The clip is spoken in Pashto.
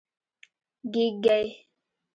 🦔 ږېږګۍ